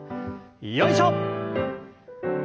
よいしょ！